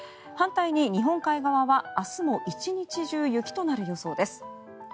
反対に日本海側は明日も１日中雪となる予想です。